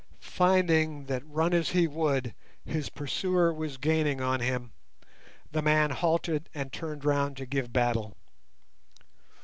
Finding that, run as he would, his pursuer was gaining on him, the man halted and turned round to give battle.